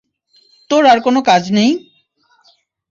তোর আর কোনো কাজ নেই?